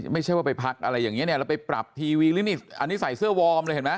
ไม่ใช่ว่าไปพักอะไรอย่างนี้เนี่ยแล้วไปปรับทีวีหรือนี่อันนี้ใส่เสื้อวอร์มเลยเห็นไหม